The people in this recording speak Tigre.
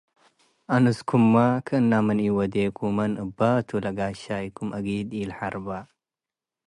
አንስኩም-ማ ከእና" ምን ኢወዴኩመን እባ' ቱ ለጋሻይኩም አጊድ ኢለሐርበ።” ወእንዶ